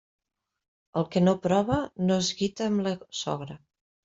El que no prova, no es gita amb la sogra.